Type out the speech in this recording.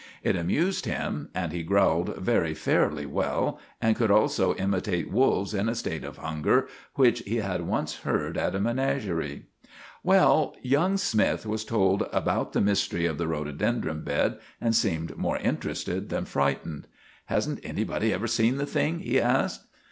It amused him, and he growled very fairly well, and could also imitate wolves in a state of hunger, which he had once heard at a menagerie. Well, young Smythe was told about the mystery of the rhododendron bed, and seemed more interested than frightened. "Hasn't anybody ever seen the thing?" he asked.